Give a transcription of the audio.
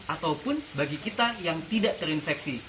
ataupun bagi kita yang tidak terinfeksi